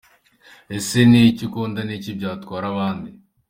fr : Ese ntikunda ni iki byatwara abandi ?.